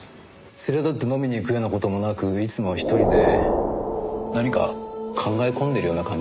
連れだって飲みに行くような事もなくいつも１人で何か考え込んでいるような感じでした。